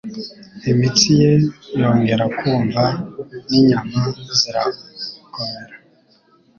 Imitsi ye yongera kumva n'inyama zirakomera.